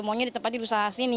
maunya di tempat diusaha sini